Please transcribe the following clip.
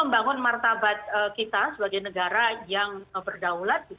membangun martabat kita sebagai negara yang berdaulat